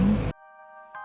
nginep di jakarta